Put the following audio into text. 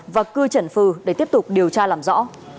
và cư trần phừ để tiếp tục điều tra làm rõ